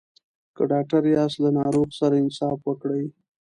که ډاکټر یاست له ناروغ سره انصاف وکړئ.